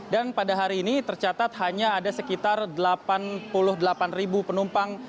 dan pada hari ini tercatat hanya ada sekitar delapan puluh delapan penumpang